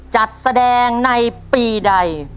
จัดแสดงในปีใด